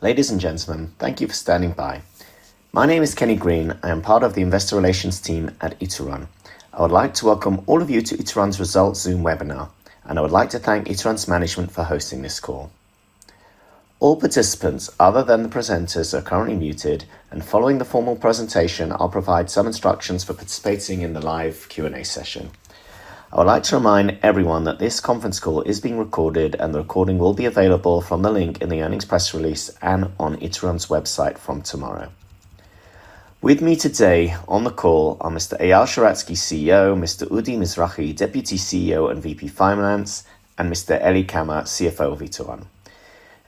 Ladies and gentlemen, thank you for standing by. My name is Kenny Green. I am part of the Investor Relations team at Ituran. I would like to welcome all of you to Ituran's Results Zoom webinar, and I would like to thank Ituran's management for hosting this call. All participants other than the presenters are currently muted, and following the formal presentation, I'll provide some instructions for participating in the live Q&A session. I would like to remind everyone that this conference call is being recorded, and the recording will be available from the link in the earnings press release and on Ituran's website from tomorrow. With me today on the call are Mr. Eyal Sheratzky, CEO, Mr. Udi Mizrahi, Deputy CEO and VP Finance, and Mr. Eli Kamer, CFO of Ituran.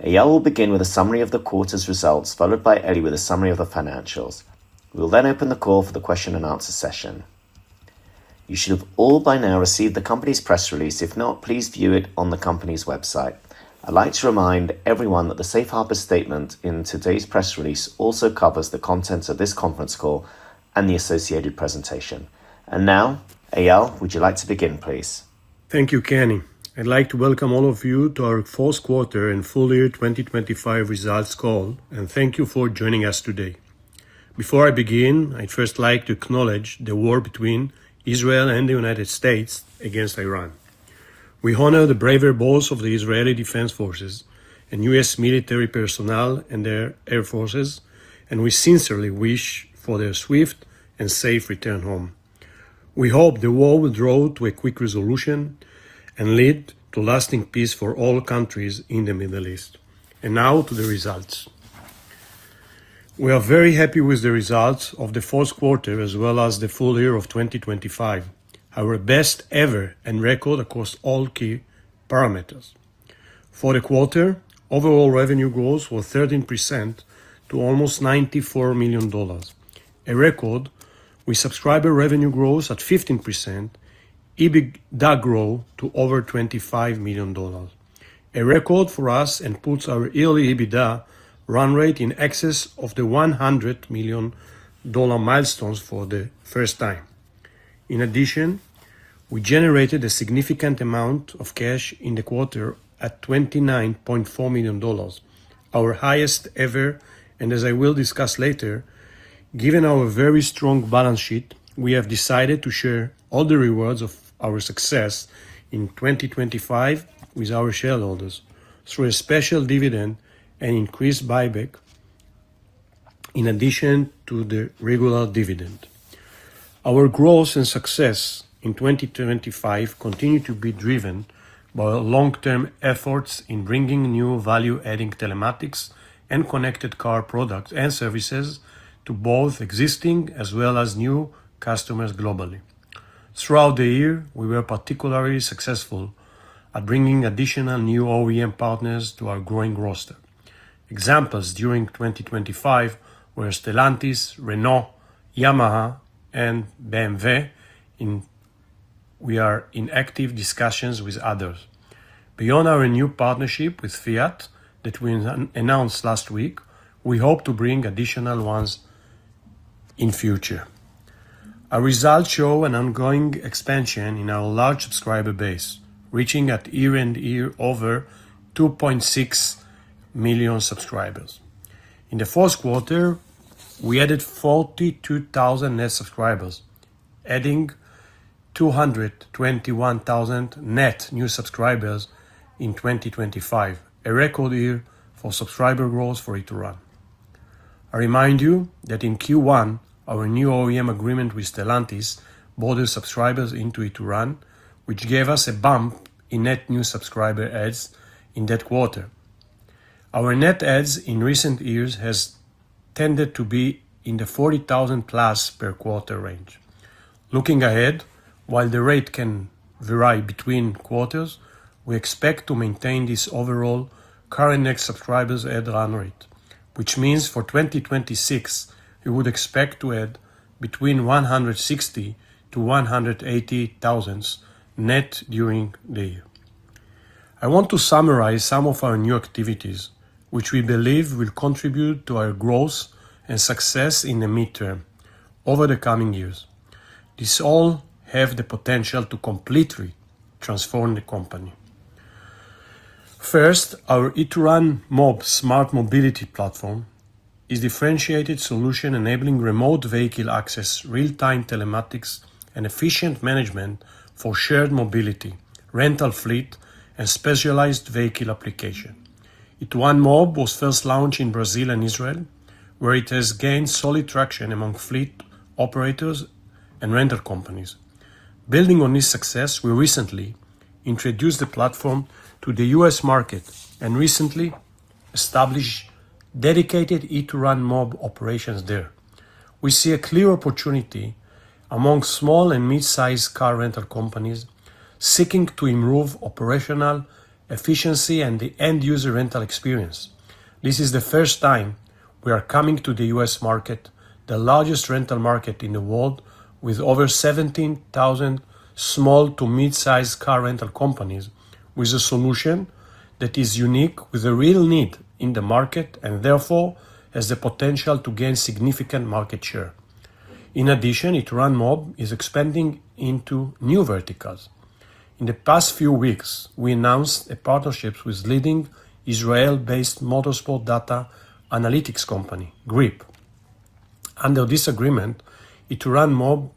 Eyal will begin with a summary of the quarter's results, followed by Eli with a summary of the financials. We will open the call for the question and answer session. You should have all by now received the company's press release. If not, please view it on the company's website. I'd like to remind everyone that the safe harbor statement in today's press release also covers the contents of this conference call and the associated presentation. Now, Eyal, would you like to begin, please? Thank you, Kenny. I'd like to welcome all of you to our fourth quarter and full year 2025 results call, and thank you for joining us today. Before I begin, I'd first like to acknowledge the war between Israel and the United States against Iran. We honor the bravery of both of the Israel Defense Forces and U.S. military personnel and their air forces, and we sincerely wish for their swift and safe return home. We hope the war will draw to a quick resolution and lead to lasting peace for all countries in the Middle East. Now to the results. We are very happy with the results of the fourth quarter as well as the full year of 2025, our best ever and record across all key parameters. For the quarter, overall revenue growth was 13% to almost $94 million, a record with subscriber revenue growth at 15%, EBITDA grow to over $25 million, a record for us and puts our yearly EBITDA run rate in excess of the $100 million milestones for the first time. We generated a significant amount of cash in the quarter at $29.4 million, our highest ever, and as I will discuss later, given our very strong balance sheet, we have decided to share all the rewards of our success in 2025 with our shareholders through a special dividend and increased buyback in addition to the regular dividend. Our growth and success in 2025 continued to be driven by our long-term efforts in bringing new value-adding telematics and connected car products and services to both existing as well as new customers globally. Throughout the year, we were particularly successful at bringing additional new OEM partners to our growing roster. Examples during 2025 were Stellantis, Renault, Yamaha, and BMW. We are in active discussions with others. Beyond our new partnership with Fiat that we announced last week, we hope to bring additional ones in future. Our results show an ongoing expansion in our large subscriber base, reaching at year-end year over 2.6 million subscribers. In the fourth quarter, we added 42,000 net subscribers, adding 221,000 net new subscribers in 2025, a record year for subscriber growth for Ituran. I remind you that in Q1, our new OEM agreement with Stellantis brought their subscribers into Ituran, which gave us a bump in net new subscriber adds in that quarter. Our net adds in recent years has tended to be in the 40,000+ per quarter range. Looking ahead, while the rate can vary between quarters, we expect to maintain this overall current net subscribers add run rate, which means for 2026, we would expect to add between 160,000-188,000 net during the year. I want to summarize some of our new activities, which we believe will contribute to our growth and success in the midterm over the coming years. These all have the potential to completely transform the company. Our IturanMob smart-mobility platform is differentiated solution enabling remote vehicle access, real-time telematics, and efficient management for shared mobility, rental fleet, and specialized vehicle application. IturanMob was first launched in Brazil and Israel, where it has gained solid traction among fleet operators and rental companies. Building on this success, we recently introduced the platform to the U.S. market and recently established dedicated IturanMob operations there. We see a clear opportunity among small and mid-sized car rental companies seeking to improve operational efficiency and the end-user rental experience. This is the first time we are coming to the U.S. market, the largest rental market in the world, with over 17,000 small to mid-sized car rental companies, with a solution that is unique, with a real need in the market, and therefore, has the potential to gain significant market share. In addition, IturanMob is expanding into new verticals. In the past few weeks, we announced a partnership with leading Israel-based motorsport data analytics company, Griiip. Under this agreement, IturanMob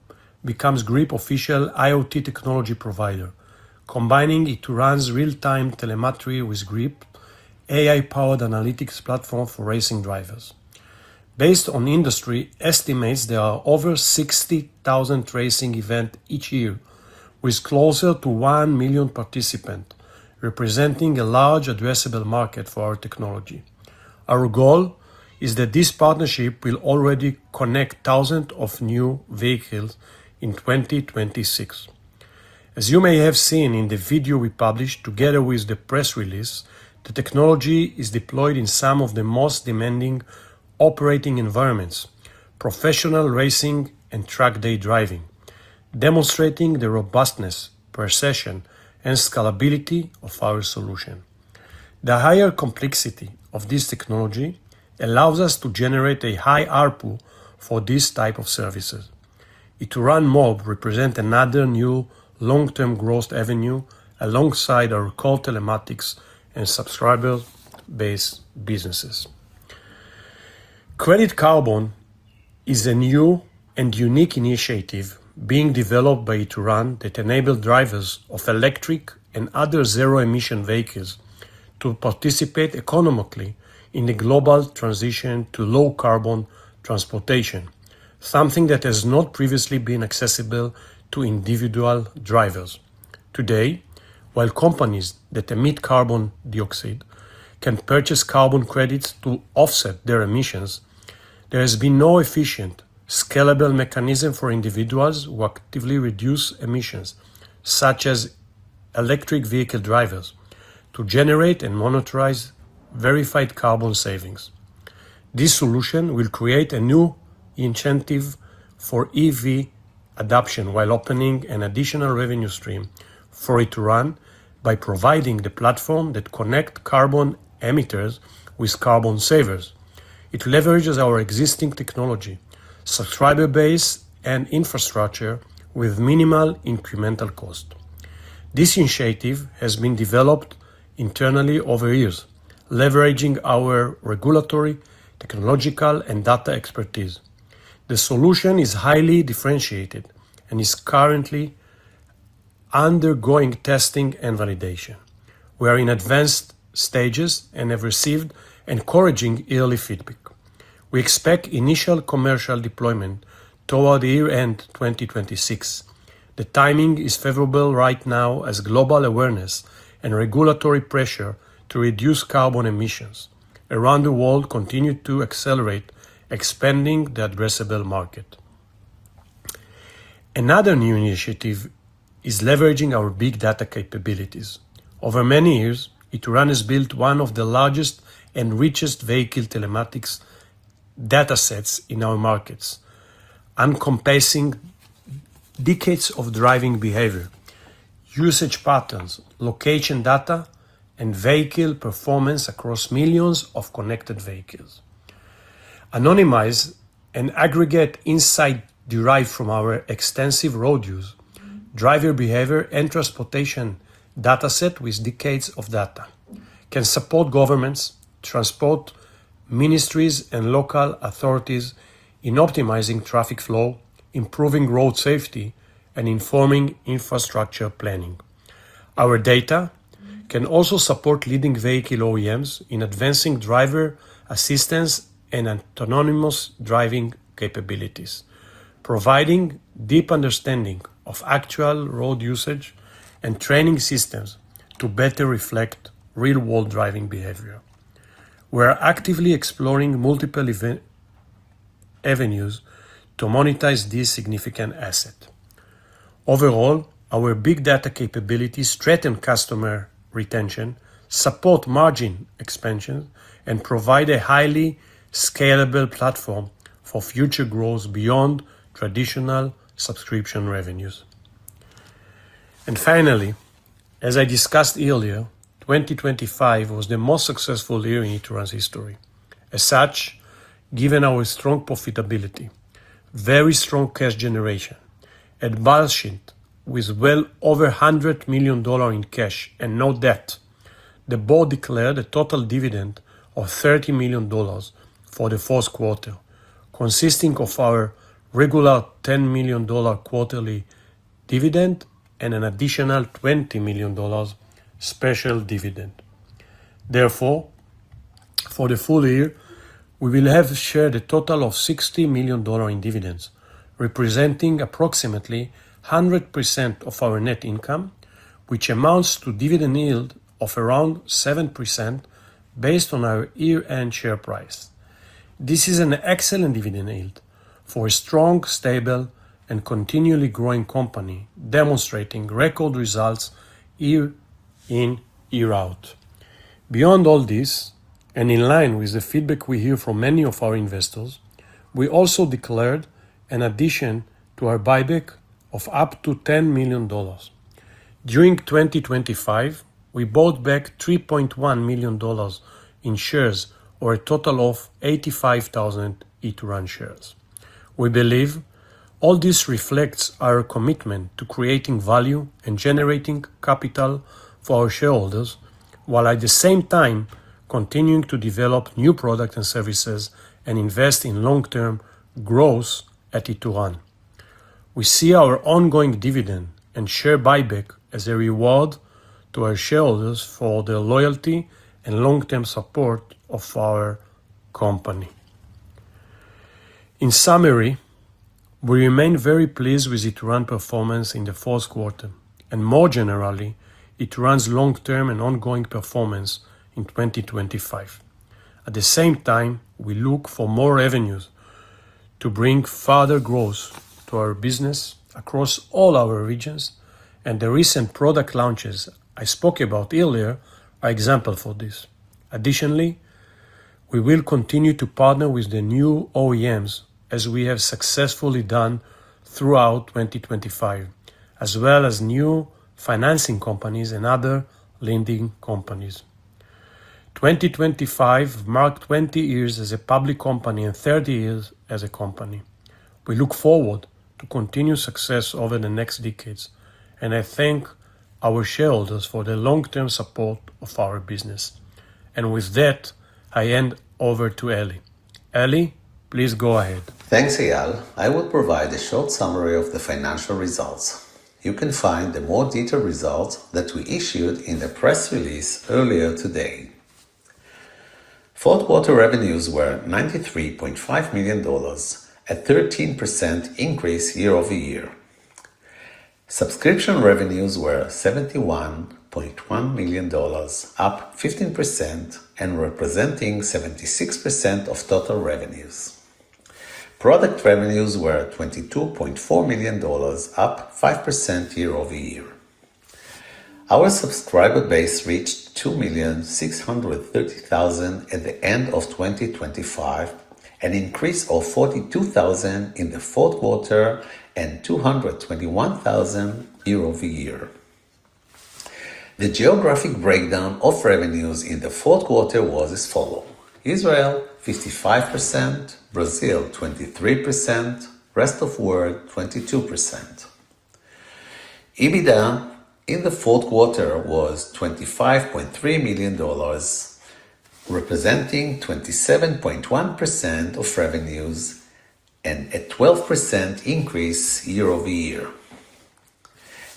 becomes Griiip official IoT technology provider, combining Ituran's real-time telemetry with Griiip AI-powered analytics platform for racing drivers. Based on industry estimates, there are over 60,000 racing event each year, with closer to 1 million participants, representing a large addressable market for our technology. Our goal is that this partnership will already connect thousands of new vehicles in 2026. As you may have seen in the video we published together with the press release, the technology is deployed in some of the most demanding operating environments, professional racing and track day driving, demonstrating the robustness, precision, and scalability of our solution. The higher complexity of this technology allows us to generate a high ARPU for this type of services. IturanMob represent another new long-term growth avenue alongside our core telematics and subscriber-based businesses. Credit Carbon is a new and unique initiative being developed by Ituran that enable drivers of electric and other zero-emission vehicles to participate economically in the global transition to low carbon transportation, something that has not previously been accessible to individual drivers. Today, while companies that emit carbon dioxide can purchase carbon credits to offset their emissions, there has been no efficient, scalable mechanism for individuals who actively reduce emissions, such as electric vehicle drivers, to generate and monetize verified carbon savings. This solution will create a new incentive for EV adoption while opening an additional revenue stream for Ituran by providing the platform that connect carbon emitters with carbon savers. It leverages our existing technology, subscriber base, and infrastructure with minimal incremental cost. This initiative has been developed internally over years, leveraging our regulatory, technological, and data expertise. The solution is highly differentiated and is currently undergoing testing and validation. We are in advanced stages and have received encouraging early feedback. We expect initial commercial deployment toward the year-end 2026. The timing is favorable right now as global awareness and regulatory pressure to reduce carbon emissions around the world continue to accelerate, expanding the addressable market. Another new initiative is leveraging our big data capabilities. Over many years, Ituran has built one of the largest and richest vehicle telematics datasets in our markets, encompassing decades of driving behavior, usage patterns, location data, and vehicle performance across millions of connected vehicles. Anonymized and aggregate insight derived from our extensive road use, driver behavior, and transportation dataset with decades of data can support governments, transport, ministries, and local authorities in optimizing traffic flow, improving road safety, and informing infrastructure planning. Our data can also support leading vehicle OEMs in advancing driver assistance and autonomous driving capabilities, providing deep understanding of actual road usage and training systems to better reflect real-world driving behavior. We are actively exploring multiple avenues to monetize this significant asset. Overall, our big data capabilities strengthen customer retention, support margin expansion, and provide a highly scalable platform for future growth beyond traditional subscription revenues. Finally, as I discussed earlier, 2025 was the most successful year in Ituran's history. As such, given our strong profitability, very strong cash generation, and balance sheet with well over $100 million in cash and no debt, the board declared a total dividend of $30 million for the fourth quarter, consisting of our regular $10 million quarterly dividend and an additional $20 million special dividend. Therefore, for the full year, we will have shared a total of $60 million in dividends, representing approximately 100% of our net income, which amounts to dividend yield of around 7% based on our year-end share price. This is an excellent dividend yield for a strong, stable, and continually growing company demonstrating record results year in, year out. Beyond all this, and in line with the feedback we hear from many of our investors, we also declared an addition to our buyback of up to $10 million. During 2025, we bought back $3.1 million in shares, or a total of 85,000 Ituran shares. We believe all this reflects our commitment to creating value and generating capital for our shareholders, while at the same time continuing to develop new products and services and invest in long-term growth at Ituran. We see our ongoing dividend and share buyback as a reward to our shareholders for their loyalty and long-term support of our company. In summary, we remain very pleased with Ituran performance in the fourth quarter, and more generally, Ituran's long-term and ongoing performance in 2025. At the same time, we look for more revenues to bring further growth to our business across all our regions and the recent product launches I spoke about earlier are example for this. Additionally, we will continue to partner with the new OEMs, as we have successfully done throughout 2025, as well as new financing companies and other lending companies. 2025 marked 20 years as a public company and 30 years as a company. We look forward to continued success over the next decades, and I thank our shareholders for their long-term support of our business. With that, I hand over to Eli. Eli, please go ahead. Thanks, Eyal. I will provide a short summary of the financial results. You can find the more detailed results that we issued in the press release earlier today. Fourth quarter revenues were $93.5 million, a 13% increase year-over-year. Subscription revenues were $71.1 million, up 15% and representing 76% of total revenues. Product revenues were $22.4 million, up 5% year-over-year. Our subscriber base reached 2,630,000 at the end of 2025, an increase of 42,000 in the fourth quarter and 221,000 year-over-year. The geographic breakdown of revenues in the fourth quarter was as follow: Israel 55%, Brazil 23%, rest of world 22%. EBITDA in the fourth quarter was $25.3 million, representing 27.1% of revenues and a 12% increase year-over-year.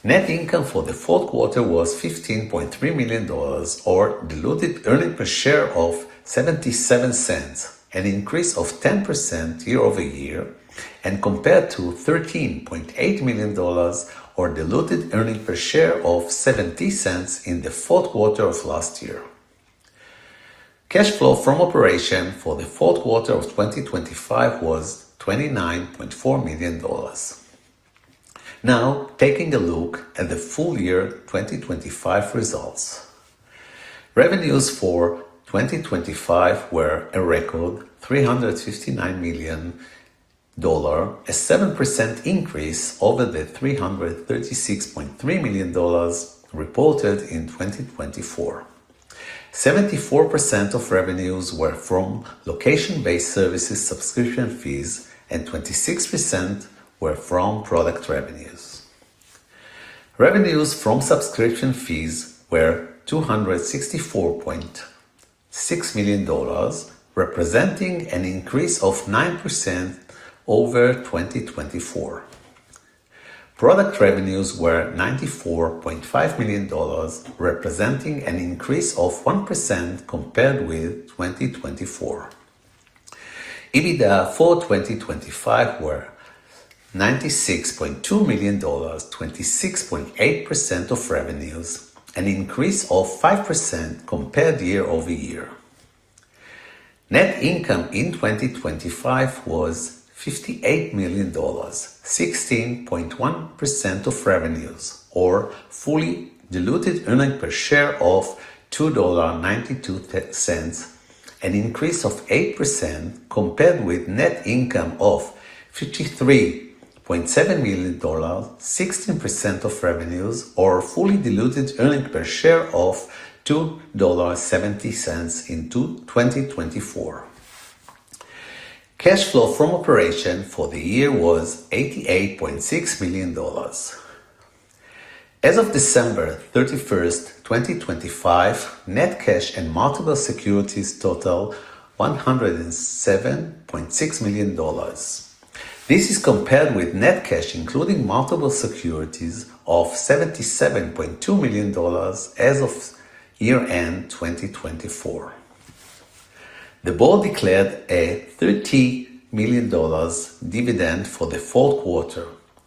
Net income for the fourth quarter was $15.3 million, or diluted earnings per share of $0.77, an increase of 10% year-over-year and compared to $13.8 million or diluted earnings per share of $0.70 in the fourth quarter of last year. Cash flow from operation for the fourth quarter of 2025 was $29.4 million. Taking a look at the full year 2025 results. Revenues for 2025 were a record $359 million, a 7% increase over the $336.3 million reported in 2024. 74% of revenues were from location-based services subscription fees and 26% were from product revenues. Revenues from subscription fees were $264.6 million, representing an increase of 9% over 2024. Product revenues were $94.5 million, representing an increase of 1% compared with 2024. EBITDA for 2025 were $96.2 million, 26.8% of revenues, an increase of 5% compared year-over-year. Net income in 2025 was $58 million, 16.1% of revenues, or fully diluted earnings per share of $2.92, an increase of 8% compared with net income of $53.7 million, 16% of revenues, or fully diluted earnings per share of $2.70 in 2024. Cash flow from operation for the year was $88.6 million. As of December 31st, 2025, net cash and marketable securities total $107.6 million. This is compared with net cash including marketable securities of $77.2 million as of year-end 2024. The board declared a $30 million dividend for the fourth quarter,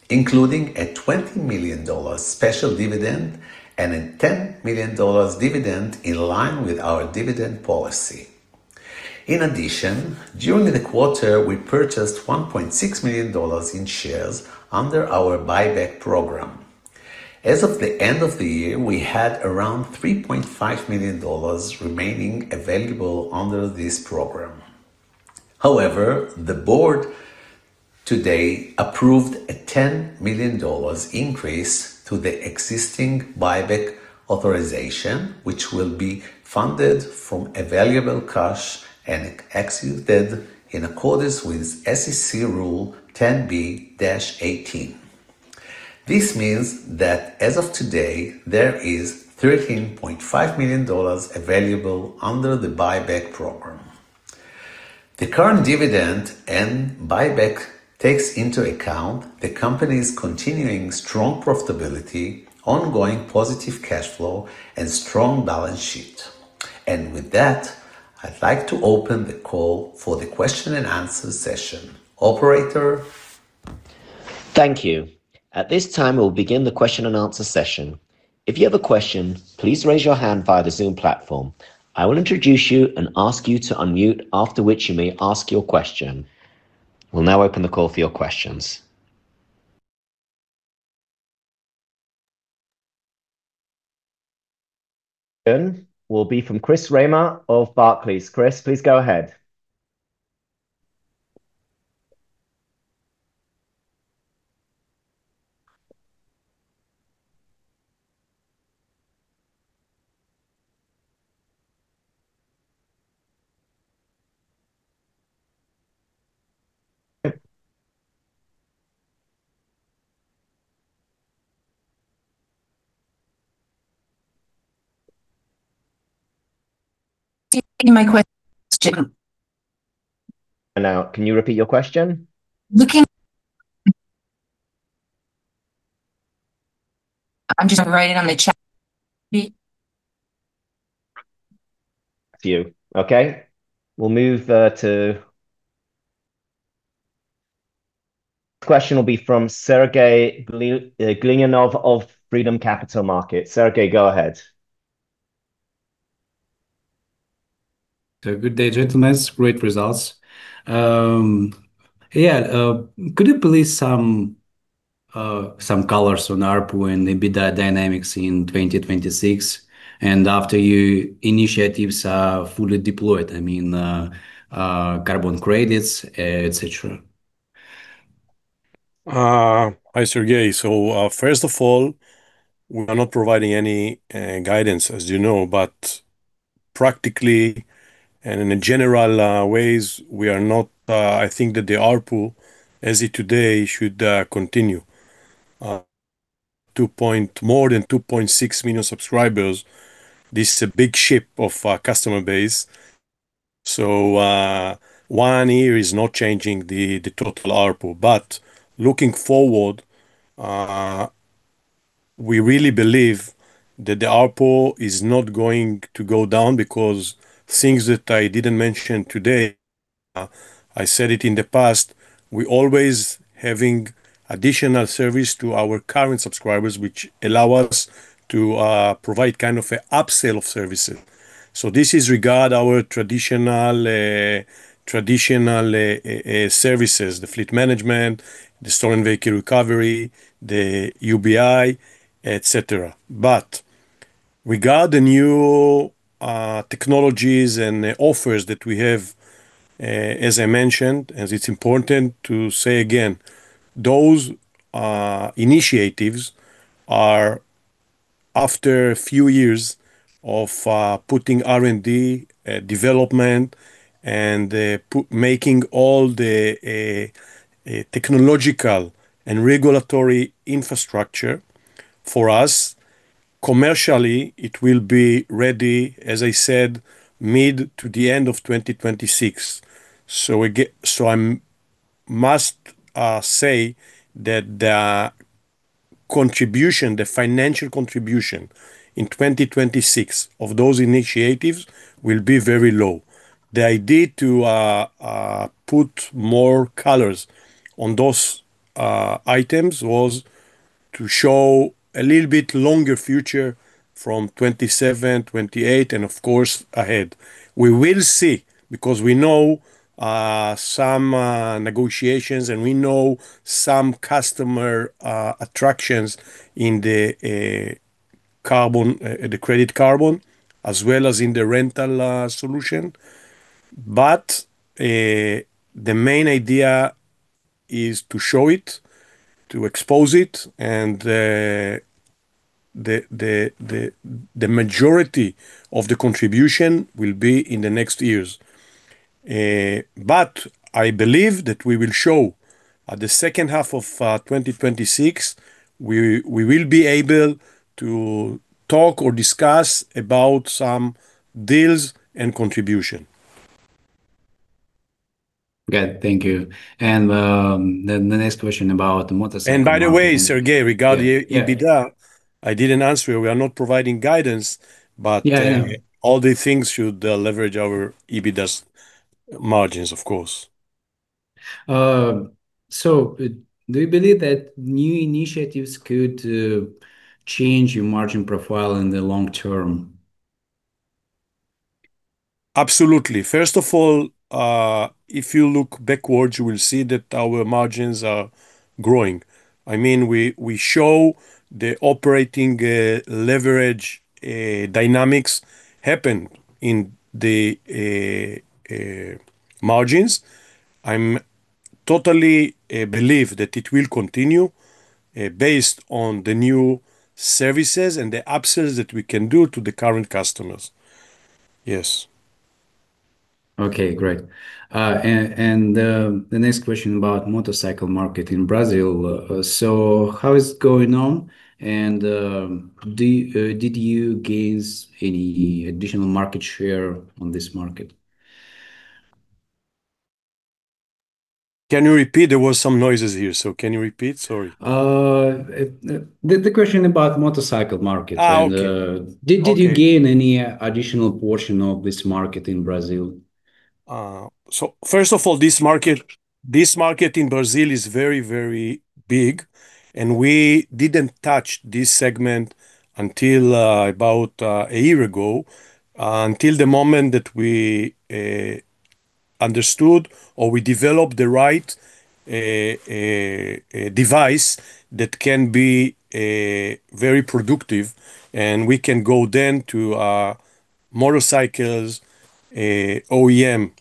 including a $20 million special dividend and a $10 million dividend in line with our dividend policy. In addition, during the quarter, we purchased $1.6 million in shares under our buyback program. As of the end of the year, we had around $3.5 million remaining available under this program. However, the board today approved a $10 million increase to the existing buyback authorization, which will be funded from available cash and executed in accordance with SEC Rule 10b-18. This means that as of today, there is $13.5 million available under the buyback program. The current dividend and buyback takes into account the company's continuing strong profitability, ongoing positive cash flow, and strong balance sheet. With that, I'd like to open the call for the question and answer session. Operator. Thank you. At this time, we will begin the question and answer session. If you have a question, please raise your hand via the Zoom platform. I will introduce you and ask you to unmute, after which you may ask your question. We will now open the call for your questions. Will be from Chris Reimer of Barclays. Chris, please go ahead. My question. Now can you repeat your question? I'm just writing on the chat. You. Okay. We'll move. Question will be from Sergey Glinyanov of Freedom Capital Markets. Sergey, go ahead. Good day, gentlemen. Great results. Could you please some colors on ARPU and the EBITDA dynamics in 2026 and after your initiatives are fully deployed, I mean, carbon credits, et cetera? Hi, Sergey. First of all, we are not providing any guidance as you know, but practically and in a general ways we are not, I think that the ARPU as it today should continue. More than 2.6 million subscribers, this is a big ship of a customer base, so one year is not changing the total ARPU. Looking forward, we really believe that the ARPU is not going to go down because things that I didn't mention today, I said it in the past, we always having additional service to our current subscribers which allow us to provide kind of a upsell of services. This is regard our traditional services, the fleet management, the stolen vehicle recovery, the UBI, et cetera. Regard the new technologies and offers that we have, as I mentioned, as it's important to say again, those initiatives are after a few years of putting R&D development and making all the technological and regulatory infrastructure. For us commercially, it will be ready, as I said, mid to the end of 2026. I must say that the contribution, the financial contribution in 2026 of those initiatives will be very low. The idea to put more colors on those items was to show a little bit longer future from 2027, 2028, and of course ahead. We will see because we know some negotiations and we know some customer attractions in the Credit Carbon as well as in the rental solution. The main idea is to show it, to expose it, and, the majority of the contribution will be in the next years. I believe that we will show at the second half of, 2026, we will be able to talk or discuss about some deals and contribution. Okay. Thank you. The next question about. By the way, Sergey, regarding EBITDA, I didn't answer you. We are not providing guidance, but. Yeah, yeah. All the things should leverage our EBITDA's margins of course. Do you believe that new initiatives could change your margin profile in the long term? First of all, if you look backwards, you will see that our margins are growing. I mean, we show the operating leverage dynamics happened in the margins. I'm totally believe that it will continue based on the new services and the upsells that we can do to the current customers. Yes. Okay, great. The next question about motorcycle market in Brazil. How is it going on and did you gain any additional market share on this market? Can you repeat? There was some noises here. Can you repeat? Sorry. The question about motorcycle. Oh, okay. And, Okay Did you gain any additional portion of this market in Brazil? First of all, this market, this market in Brazil is very, very big, and we didn't touch this segment until about a year ago, until the moment that we understood or we developed the right device that can be very productive and we can go then to motorcycles, OEM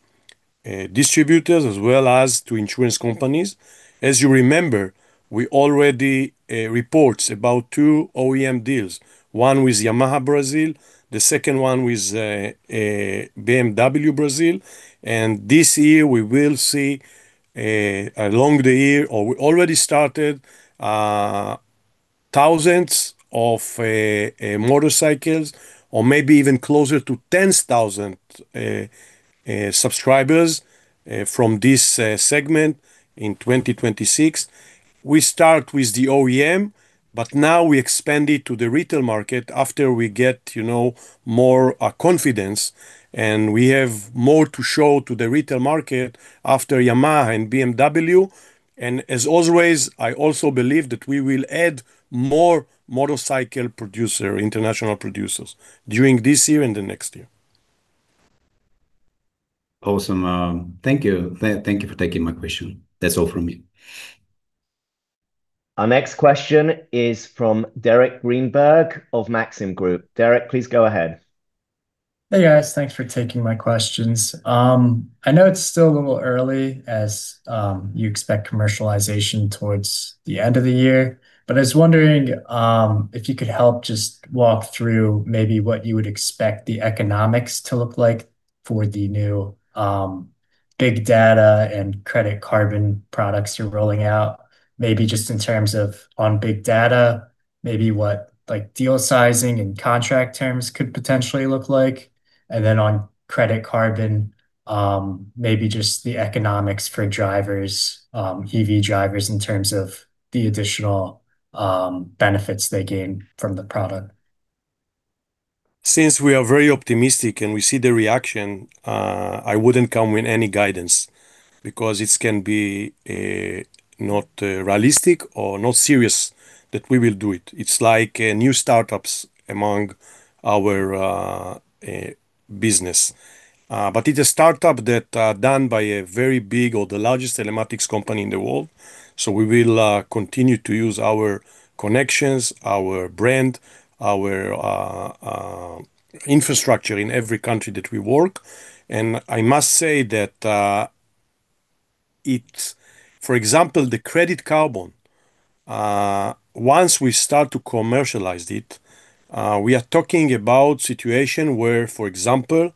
distributors, as well as to insurance companies. As you remember, we already reports about two OEM deals, one with Yamaha Brazil, the second one with BMW Brazil. This year we will see along the year or we already started thousands of motorcycles or maybe even closer to 10,000 subscribers from this segment in 2026. Now we expand it to the retail market after we get, you know, more confidence and we have more to show to the retail market after Yamaha and BMW. As always, I also believe that we will add more motorcycle producer, international producers during this year and the next year. Awesome. Thank you. Thank you for taking my question. That's all from me. Our next question is from Allen Klee of Maxim Group. Allen, please go ahead. Hey, guys. Thanks for taking my questions. I know it's still a little early as you expect commercialization towards the end of the year, but I was wondering if you could help just walk through maybe what you would expect the economics to look like for the new big data and Credit Carbon products you're rolling out. Maybe just in terms of on big data, maybe what like deal sizing and contract terms could potentially look like. Then on Credit Carbon, maybe just the economics for drivers, EV drivers in terms of the additional benefits they gain from the product. Since we are very optimistic and we see the reaction, I wouldn't come with any guidance because it can be not realistic or not serious that we will do it. It's like new startups among our business. It's a startup that done by a very big or the largest telematics company in the world. We will continue to use our connections, our brand, our infrastructure in every country that we work. I must say that, for example, the Credit Carbon, once we start to commercialize it, we are talking about situation where, for example,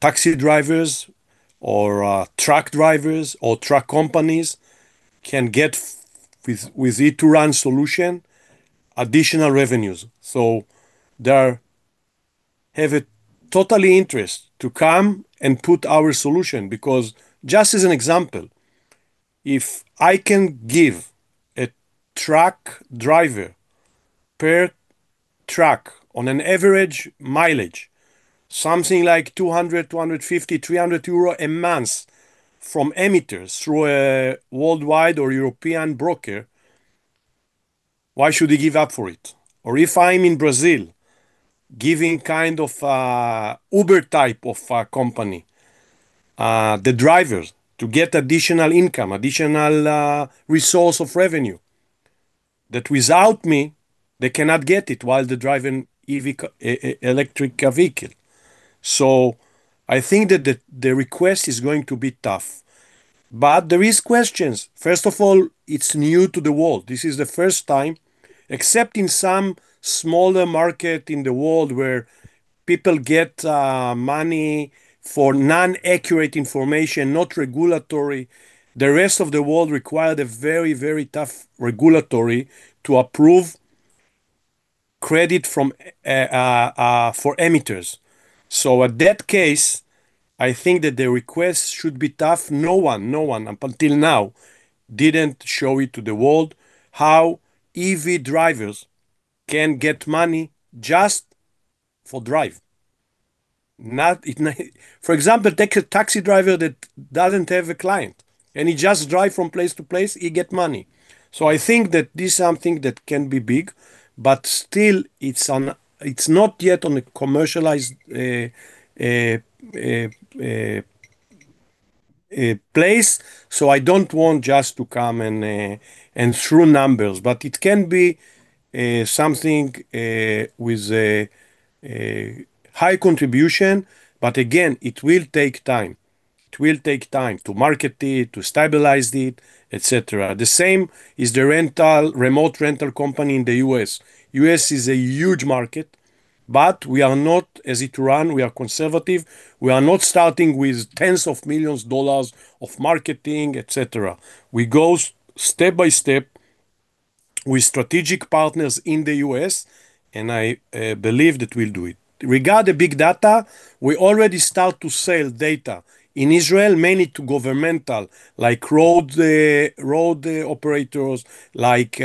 taxi drivers or truck drivers or truck companies can get with Ituran solution additional revenues. They're have a totally interest to come and put our solution because just as an example, if I can give a truck driver per truck on an average mileage something like 200, 250, 300 euro a month from emitters through a worldwide or European broker, why should he give up for it? If I'm in Brazil, giving kind of a Uber type of a company, the drivers to get additional income, additional resource of revenue that without me, they cannot get it while they're driving a electric vehicle. I think that the request is going to be tough, there is questions. First of all, it's new to the world. This is the first time, except in some smaller market in the world where people get money for non-accurate information, not regulatory. The rest of the world required a very, very tough regulatory to approve credit from for emitters. At that case, I think that the request should be tough. No one up until now didn't show it to the world how EV drivers can get money just for drive. For example, take a taxi driver that doesn't have a client, and he just drive from place to place, he get money. I think that this is something that can be big, but still it's not yet on a commercialized place, so I don't want just to come and throw numbers. It can be something with a high contribution, again, it will take time. It will take time to market it, to stabilize it, et cetera. The same is the rental, remote rental company in the U.S. U.S. is a huge market, we are not as Ituran, we are conservative. We are not starting with tens of millions dollars of marketing, et cetera. We go step by step with strategic partners in the U.S., I believe that we'll do it. Regarding big data, we already start to sell data. In Israel, mainly to governmental, like road operators, like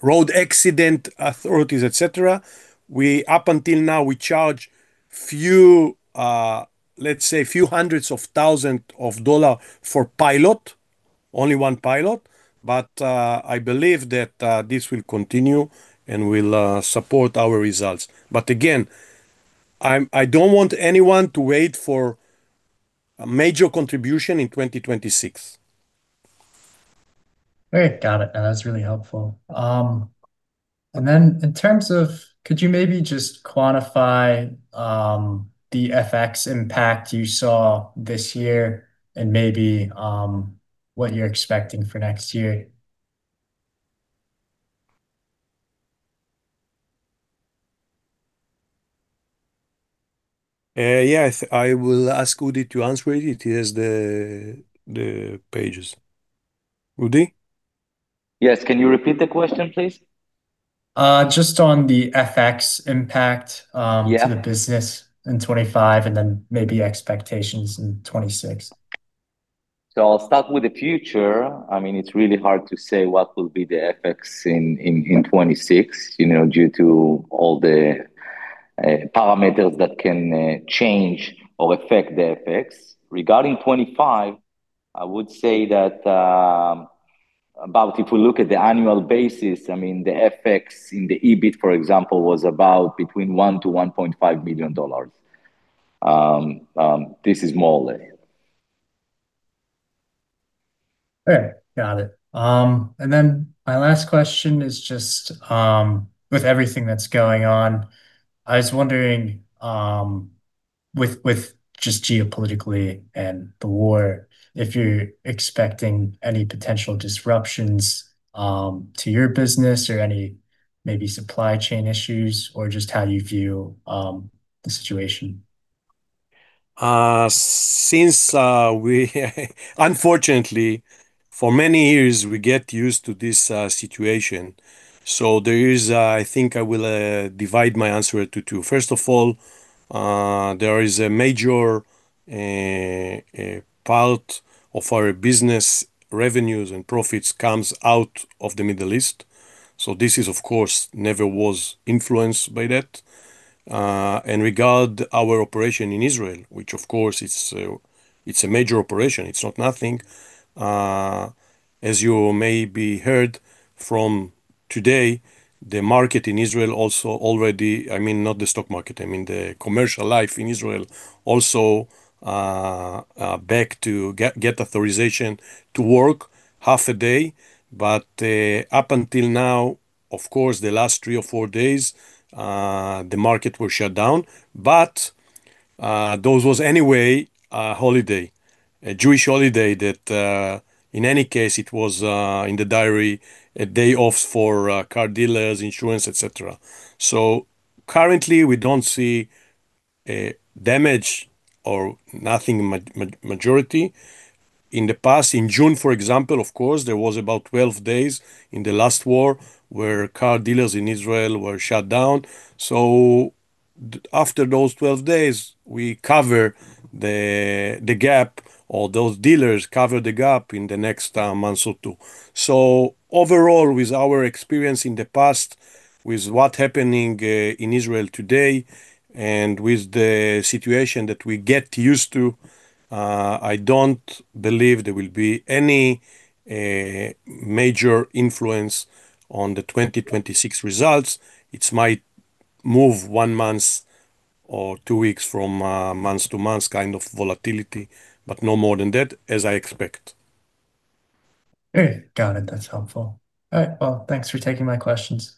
road accident authorities, et cetera. Up until now, we charge few, let's say few hundreds of thousand of dollar for pilot, only 1 pilot. I believe that this will continue and will support our results. Again, I don't want anyone to wait for a major contribution in 2026. Okay. Got it. That's really helpful. In terms of could you maybe just quantify the FX impact you saw this year and maybe what you're expecting for next year? Yes. I will ask Udi to answer it. He has the pages. Udi? Yes. Can you repeat the question, please? Just on the FX impact, Yeah To the business in 2025, and then maybe expectations in 2026. I'll start with the future. It's really hard to say what will be the FX in 2026, you know, due to all the parameters that can change or affect the FX. Regarding 2025, I would say that about if we look at the annual basis, the FX in the EBIT, for example, was about between $1 million-$1.5 million. This is more or less. Okay. Got it. My last question is just, with everything that's going on, I was wondering, with just geopolitically and the war, if you're expecting any potential disruptions, to your business or any maybe supply chain issues, or just how you view, the situation? Since we unfortunately, for many years, we get used to this situation. There is I think I will divide my answer to two. First of all, there is a major part of our business revenues and profits comes out of the Middle East. This is, of course, never was influenced by that. Regard our operation in Israel, which of course is, it's a major operation. It's not nothing. As you maybe heard from today, the market in Israel also already, I mean, not the stock market, I mean the commercial life in Israel also, back to get authorization to work half a day. Up until now, of course, the last three or four days, the market was shut down. Those was anyway a holiday, a Jewish holiday that in any case, it was in the diary, a day off for car dealers, insurance, et cetera. Currently, we don't see a damage or nothing majority. In the past, in June, for example, of course, there was about 12 days in the last war where car dealers in Israel were shut down. After those 12 days, we cover the gap, or those dealers cover the gap in the next month or two. Overall, with our experience in the past, with what happening in Israel today, and with the situation that we get used to, I don't believe there will be any major influence on the 2026 results. It's might move one month or two weeks from, month-to-month kind of volatility, but no more than that, as I expect. Great. Got it. That's helpful. All right. Well, thanks for taking my questions.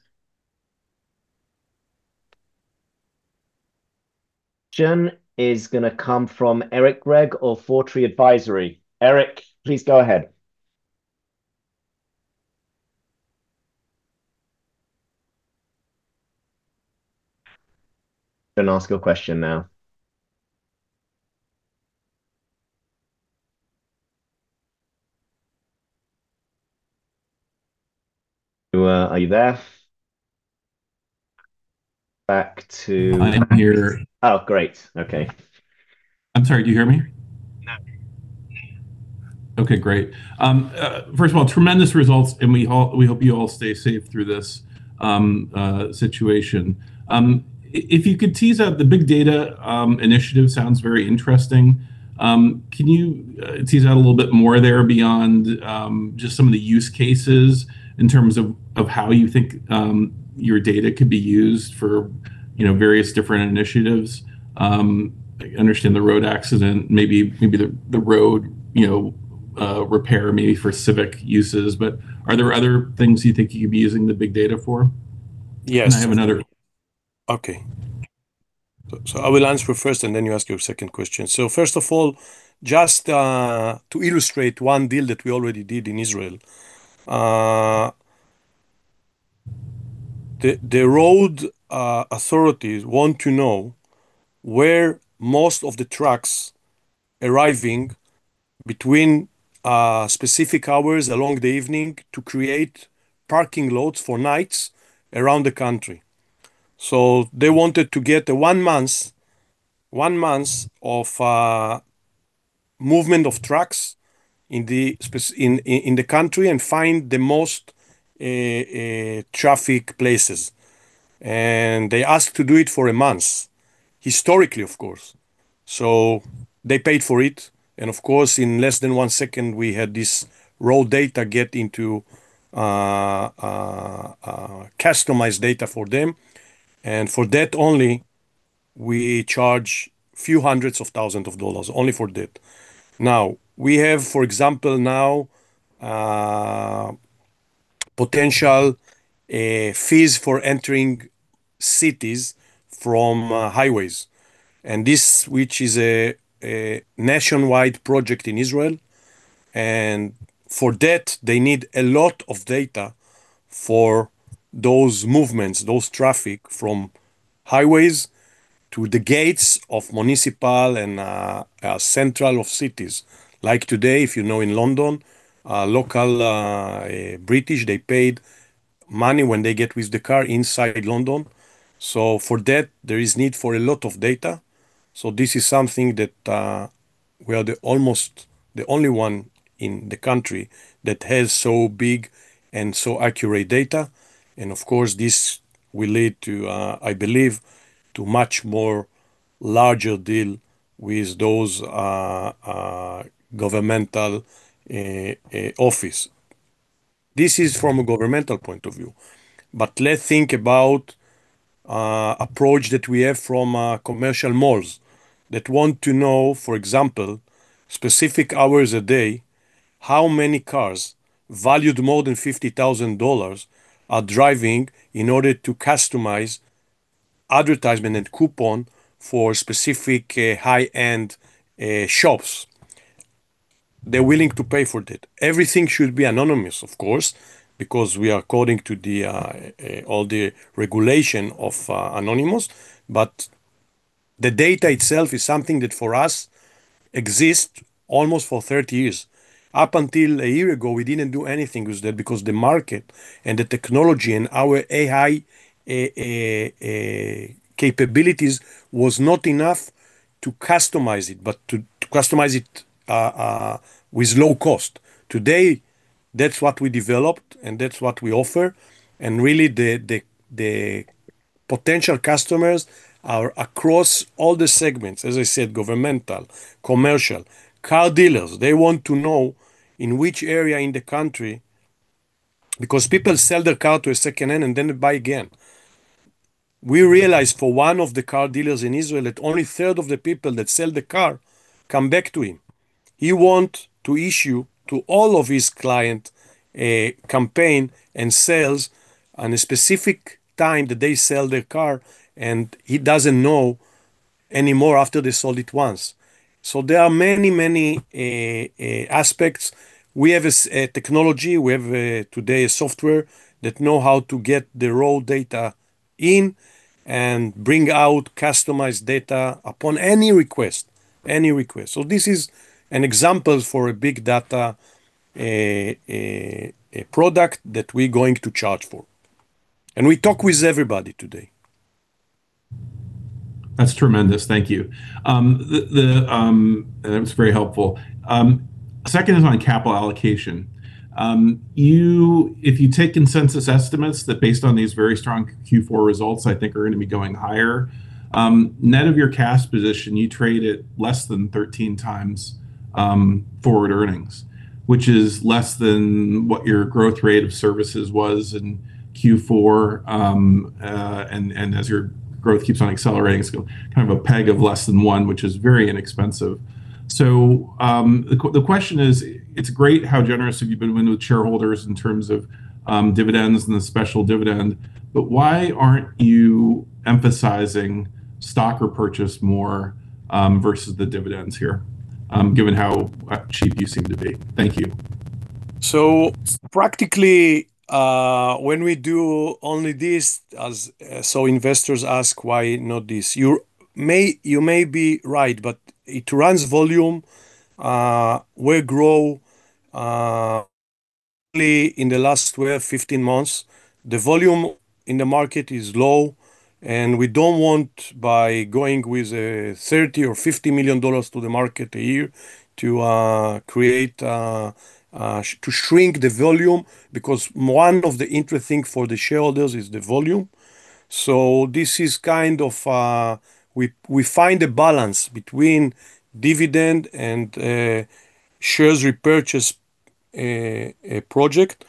Next question is gonna come from Eric Gregg of Four Tree Island Advisory. Eric, please go ahead. Gonna ask you a question now. Are you there? I am here. Oh, great. Okay. I'm sorry. Do you hear me? Yeah. Okay, great. First of all, tremendous results. We hope you all stay safe through this situation. If you could tease out the big data initiative sounds very interesting. Can you tease out a little bit more there beyond just some of the use cases in terms of how you think, your data could be used for, you know, various different initiatives? I understand the road accident, maybe the road, you know, repair maybe for civic uses. Are there other things you think you could be using the big data for? Yes. I have another-. Okay. I will answer first, and then you ask your second question. First of all, just to illustrate one deal that we already did in Israel. The road authorities want to know where most of the trucks arriving between specific hours along the evening to create parking loads for nights around the country. They wanted to get a one month of movement of trucks in the country and find the most traffic places. They asked to do it for a month, historically, of course. They paid for it, and of course, in less than one second we had this raw data get into customized data for them. For that only, we charge few hundreds of thousands of dollars, only for that. We have, for example now, potential fees for entering cities from highways, which is a nationwide project in Israel. For that, they need a lot of data for those movements, those traffic from highways to the gates of municipal and central of cities. Like today, if you know in London, local British, they paid money when they get with the car inside London. For that, there is need for a lot of data, so this is something that we are the almost the only one in the country that has so big and so accurate data. Of course, this will lead to, I believe, to much more larger deal with those governmental office. This is from a governmental point of view. Let's think about approach that we have from commercial malls that want to know, for example, specific hours a day, how many cars valued more than $50,000 are driving in order to customize advertisement and coupon for specific high-end shops. They're willing to pay for that. Everything should be anonymous, of course, because we are according to the all the regulation of anonymous. The data itself is something that for us exists almost for 30 years. Up until a year ago, we didn't do anything with that because the market and the technology and our AI capabilities was not enough to customize it, but to customize it with low cost. Today, that's what we developed, that's what we offer, really the potential customers are across all the segments, as I said, governmental, commercial. Car dealers, they want to know in which area in the country. People sell their car to a second hand and then they buy again. We realize for one of the car dealers in Israel that only a third of the people that sell the car come back to him. He want to issue to all of his client a campaign and sales on a specific time that they sell their car, he doesn't know anymore after they sold it once. There are many aspects. We have a technology, we have a today a software that know how to get the raw data in and bring out customized data upon any request. This is an example for a big data, a product that we're going to charge for. We talk with everybody today. That's tremendous. Thank you. That was very helpful. Second is on capital allocation. If you take consensus estimates that based on these very strong Q4 results, I think are gonna be going higher, net of your cash position, you trade at less than 13x forward earnings, which is less than what your growth rate of services was in Q4. As your growth keeps on accelerating, it's kind of a PEG of less than one, which is very inexpensive. The question is, it's great how generous you've been with shareholders in terms of dividends and the special dividend, but why aren't you emphasizing stock repurchase more versus the dividends here, given how cheap you seem to be? Thank you. Practically, when we do only this as, investors ask why not this. You may be right, but it runs volume. We grow in the last 12, 15 months. The volume in the market is low, and we don't want, by going with a $30 million or $50 million to the market a year to create to shrink the volume, because one of the interesting for the shareholders is the volume. This is kind of, we find a balance between dividend and shares repurchase project.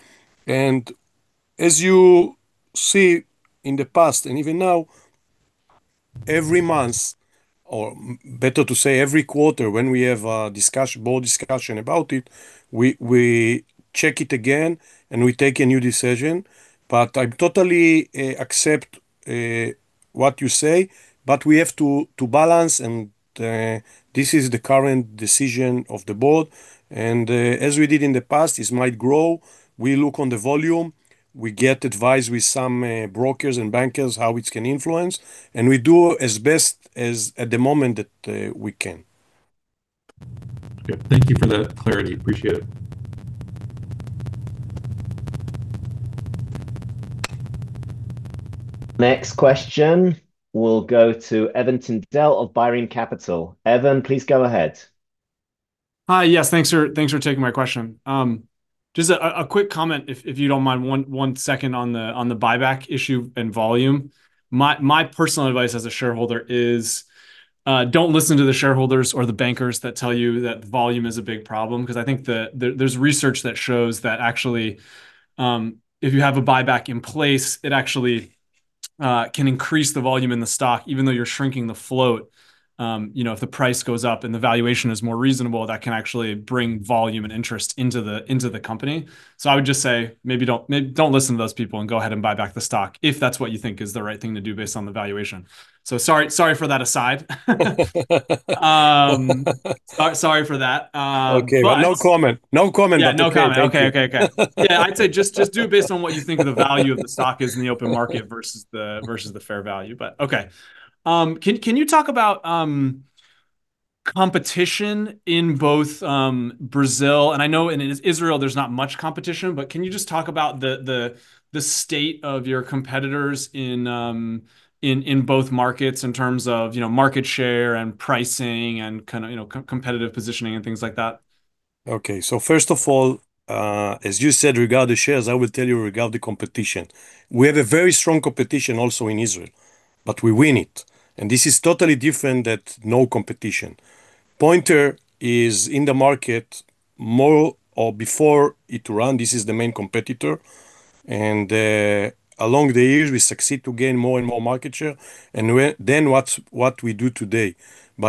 As you see in the past and even now, every month, or better to say every quarter when we have a board discussion about it, we check it again and we take a new decision. I totally accept what you say, but we have to balance and this is the current decision of the board. As we did in the past, this might grow. We look on the volume, we get advice with some brokers and bankers how it can influence, and we do as best as at the moment that we can. Okay. Thank you for that clarity. Appreciate it. Next question will go to Evan Tindell of Bireme Capital. Evan, please go ahead. Hi. Yes. Thanks for taking my question. Just a quick comment if you don't mind, one second on the buyback issue and volume. My personal advice as a shareholder is, don't listen to the shareholders or the bankers that tell you that volume is a big problem, 'cause there's research that shows that actually, if you have a buyback in place, it actually can increase the volume in the stock even though you're shrinking the float. You know, if the price goes up and the valuation is more reasonable, that can actually bring volume and interest into the company. I would just say maybe don't listen to those people and go ahead and buy back the stock, if that's what you think is the right thing to do based on the valuation. Sorry for that aside. Sorry for that. Okay. No comment. No comment on the buyback. Thank you. Yeah. No comment. Okay. Okay. Okay. Yeah, I'd say just do based on what you think the value of the stock is in the open market versus the fair value. Okay. Can you talk about competition in both Brazil, and I know in Israel there's not much competition, but can you just talk about the state of your competitors in both markets in terms of, you know, market share and pricing and kinda, you know, competitive positioning and things like that? Okay. First of all, as you said regarding shares, I will tell you regarding competition. We have a very strong competition also in Israel, but we win it, and this is totally different that no competition. Pointer is in the market more or before Ituran, this is the main competitor, and along the years we succeed to gain more and more market share, and what we do today.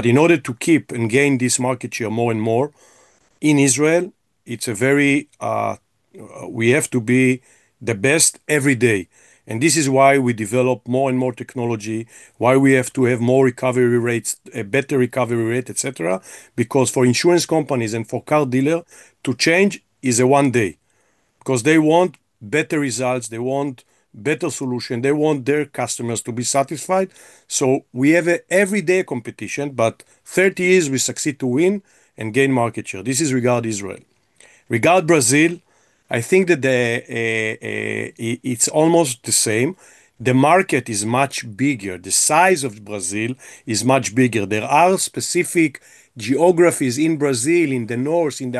In order to keep and gain this market share more and more, in Israel it's a very. We have to be the best every day, and this is why we develop more and more technology, why we have to have more recovery rates, a better recovery rate, et cetera. Because for insurance companies and for car dealer, to change is a one day, 'cause they want better results, they want better solution, they want their customers to be satisfied. We have a everyday competition, but 30 years we succeed to win and gain market share. This is regard Israel. Regard Brazil, I think that it's almost the same. The market is much bigger. The size of Brazil is much bigger. There are specific geographies in Brazil, in the north, in the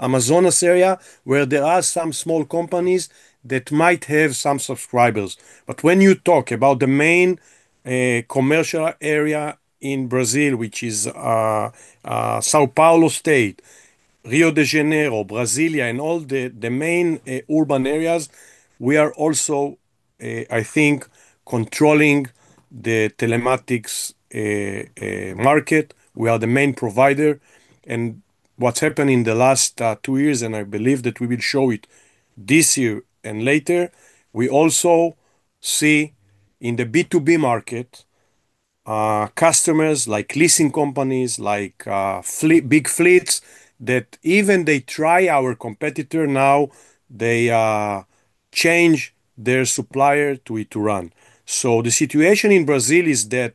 Amazonas area, where there are some small companies that might have some subscribers. When you talk about the main commercial area in Brazil, which is São Paulo State, Rio de Janeiro, Brasília, and all the main urban areas, we are also, I think, controlling the telematics market, we are the main provider. What's happened in the last two years, and I believe that we will show it this year and later, we also see in the B2B market, customers like leasing companies, like big fleets, that even they try our competitor now, they change their supplier to Ituran. The situation in Brazil is that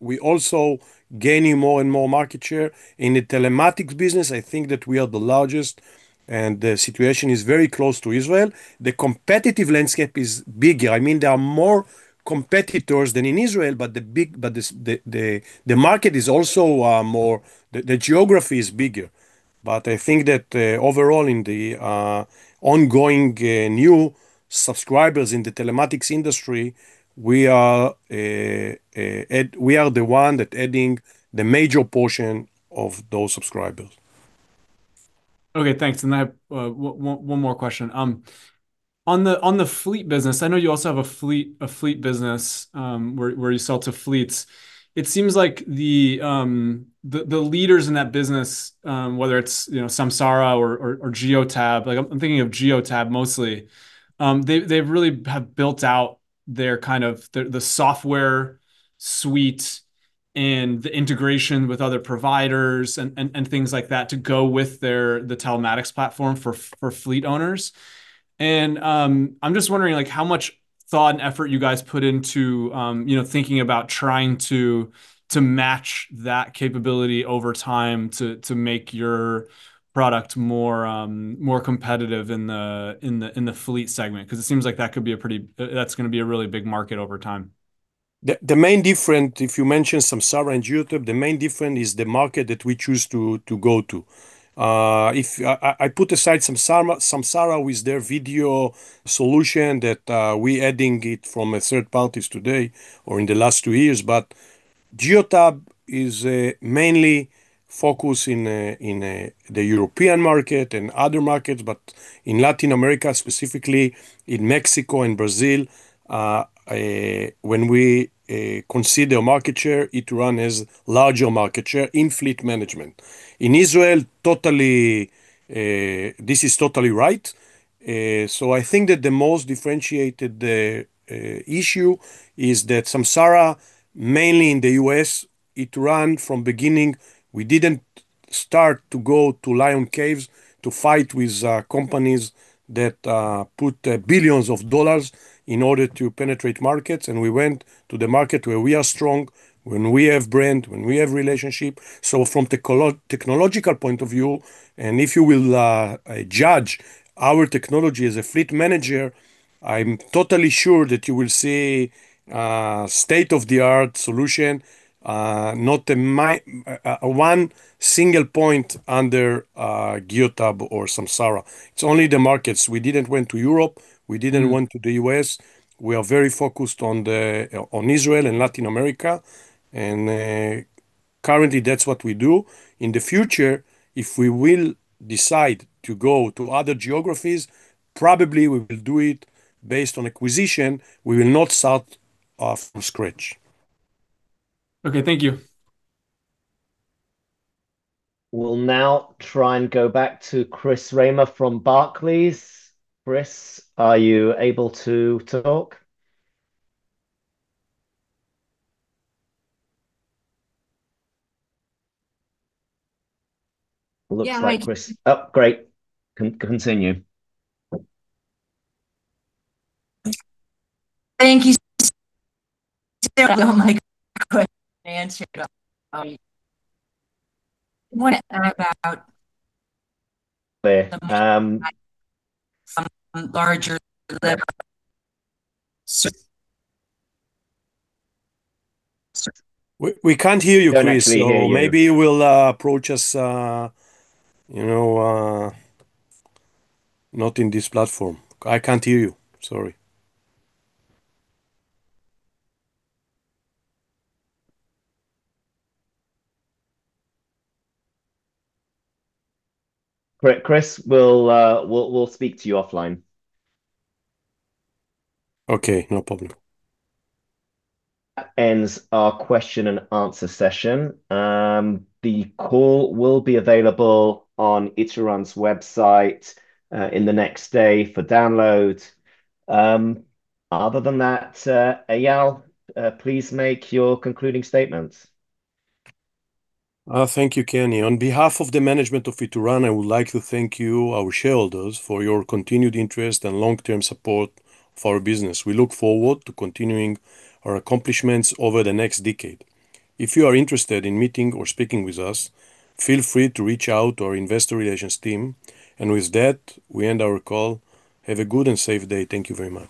we also gaining more and more market share. In the telematics business, I think that we are the largest, and the situation is very close to Israel. The competitive landscape is bigger. I mean, there are more competitors than in Israel, the market is also more, the geography is bigger. I think that overall in the ongoing new subscribers in the telematics industry, we are add, we are the one that adding the major portion of those subscribers. Okay, thanks. I have one more question. On the fleet business, I know you also have a fleet business, where you sell to fleets. It seems like the leaders in that business, whether it's, you know, Samsara or Geotab, like I'm thinking of Geotab mostly, they really have built out their kind of the software suite and the integration with other providers and things like that to go with the telematics platform for fleet owners. I'm just wondering, like, how much thought and effort you guys put into, you know, thinking about trying to match that capability over time to make your product more, more competitive in the, in the, in the fleet segment, 'cause it seems like that's gonna be a really big market over time. The main different, if you mention Samsara and Geotab, the main different is the market that we choose to go to. If I put aside Samsara with their video solution that we adding it from a third parties today or in the last two years, Geotab is mainly focused in the European market and other markets, but in Latin America, specifically in Mexico and Brazil, when we consider market share, Ituran has larger market share in fleet management. In Israel, totally, this is totally right. I think that the most differentiated issue is that Samsara, mainly in the U.S., Ituran from beginning, we didn't start to go to lion caves to fight with companies that put billions of dollars in order to penetrate markets. We went to the market where we are strong, when we have brand, when we have relationship. From technological point of view, if you will judge our technology as a fleet manager, I'm totally sure that you will see state-of-the-art solution, not a one single point under a Geotab or Samsara. It's only the markets. We didn't went to Europe. We didn't went to the U.S. We are very focused on Israel and Latin America. Currently, that's what we do. In the future, if we will decide to go to other geographies, probably we will do it based on acquisition. We will not start from scratch. Okay, thank you. We'll now try and go back to Chris Reimer from Barclays. Chris, are you able to talk? Looks like Chris. Yeah, I think- Oh, great. continue. Thank you. Question answered. about larger. We can't hear you, Chris. Can actually hear you. Maybe you will approach us, you know, not in this platform. I can't hear you, sorry. Chris, we'll speak to you offline. Okay, no problem. Ends our question and answer session. The call will be available on Ituran's website, in the next day for download. Other than that, Eyal, please make your concluding statements. Thank you, Kenny. On behalf of the management of Ituran, I would like to thank you, our shareholders, for your continued interest and long-term support for our business. We look forward to continuing our accomplishments over the next decade. If you are interested in meeting or speaking with us, feel free to reach out to our investor relations team. With that, we end our call. Have a good and safe day. Thank you very much.